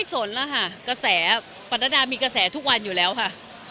สนแล้วค่ะกระแสปรดามีกระแสทุกวันอยู่แล้วค่ะ